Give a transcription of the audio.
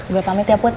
gue pamit ya put